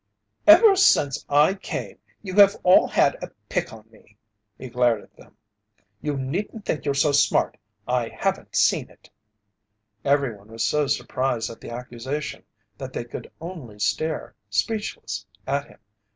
"Ever since I came, you have all had a pick on me!" He glared at them. "You needn't think you're so smart I haven't seen it." Everyone was so surprised at the accusation that they could only stare, speechless, at him.